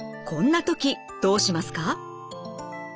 こんな時どうしますか？